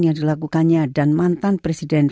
yang dilakukannya dan mantan presiden